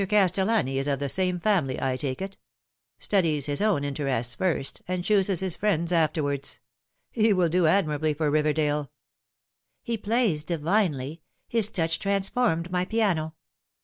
Castellani is of the same family, I take it studies his own interests first, and chooses his friends afterwards* He will do admirably for Riverdale." " He plays divinely. His touch transformed my piano."